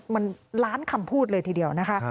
มันล้านคำพูดเลยทีเดียวนะคะ